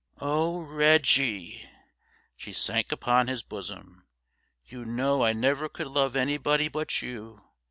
'Oh, Reggie,' she sank upon his bosom 'you know I never could love anybody but you.